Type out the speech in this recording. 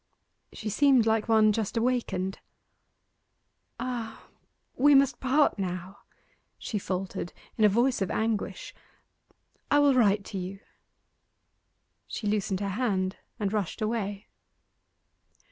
She seemed like one just awakened. 'Ah we must part now!' she faltered, in a voice of anguish. 'I will write to you.' She loosened her hand and rushed away.